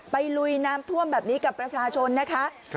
ลุยน้ำท่วมแบบนี้กับประชาชนนะคะ